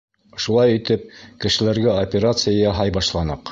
Шулай итеп, кешеләргә операция яһай башланыҡ.